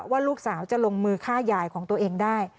ว่าลูกสาวจะลงมือฆ่ายายของตัวเองได้